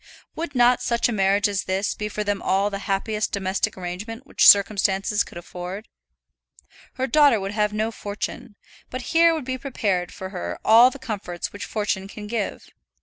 Would not such a marriage as this be for them all the happiest domestic arrangement which circumstances could afford? Her daughter would have no fortune, but here would be prepared for her all the comforts which fortune can give.